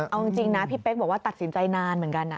เอาจริงนะพี่เป๊กบอกว่าตัดสินใจนานเหมือนกันนะ